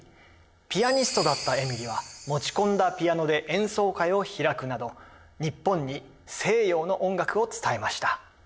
ピアニストだったエミリは持ち込んだピアノで演奏会を開くなど日本に西洋の音楽を伝えました。